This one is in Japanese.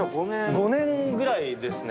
５年ぐらいですね。